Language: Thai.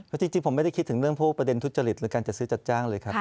เพราะจริงผมไม่ได้คิดถึงเรื่องพวกประเด็นทุจริตหรือการจัดซื้อจัดจ้างเลยครับ